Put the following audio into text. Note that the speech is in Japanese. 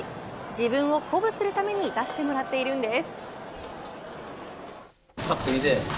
自分を鼓舞するために出してもらっているんです。